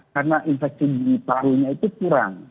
karena infeksi di parunya itu kurang